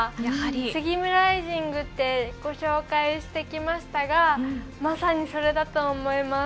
スギムライジングってご紹介してきましたがまさにそれだと思います。